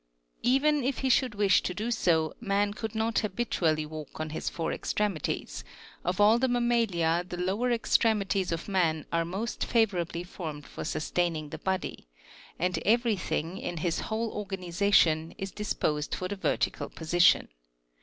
Even if he should wish to do so, man could not habitually walk on his four extremities; of all the mammalia the lower extremities of man are most favourably formed for sus taining the body, and every thing, in his whole organization, is disposed for the vertical position.